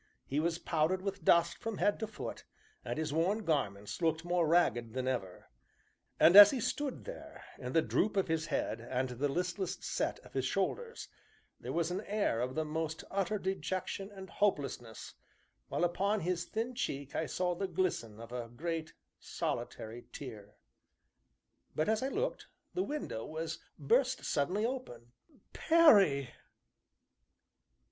He was powdered with dust from head to foot, and his worn garments looked more ragged than ever; and, as he stood there, in the droop of his head and the listless set of his shoulders, there was an air of the most utter dejection and hopelessness, while upon his thin cheek I saw the glisten of a great, solitary tear. But, as I looked, the window was burst suddenly open: "Perry!"